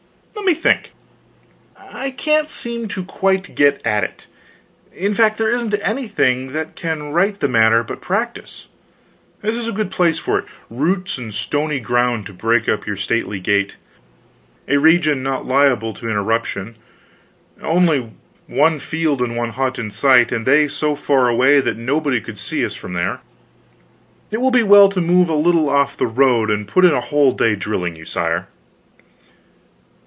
"Let me think... I can't seem to quite get at it. In fact, there isn't anything that can right the matter but practice. This is a good place for it: roots and stony ground to break up your stately gait, a region not liable to interruption, only one field and one hut in sight, and they so far away that nobody could see us from there. It will be well to move a little off the road and put in the whole day drilling you, sire."